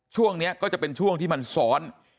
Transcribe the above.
ช่วงนี้ก็จะเป็นช่วงที่มันซ้อน